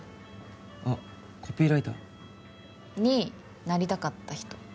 あっコピーライター？になりたかった人。